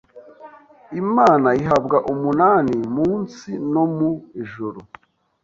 Imana ihabwa umunani mu nsi no mu ijuru.